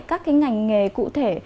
các ngành nghề cụ thể